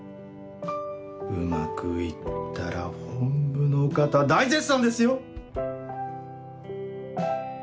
うまく行ったら本部の方大絶賛ですよ